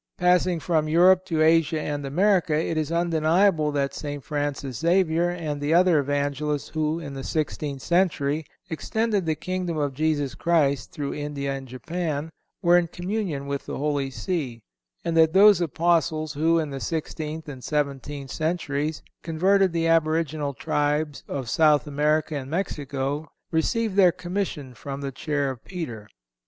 Passing from Europe to Asia and America, it is undeniable that St. Francis Xavier and the other Evangelists who, in the sixteenth century, extended the Kingdom of Jesus Christ through India and Japan, were in communion with the Holy See; and that those Apostles who, in the sixteenth and seventeenth centuries, converted the aboriginal tribes of South America and Mexico received their commission from the Chair of Peter.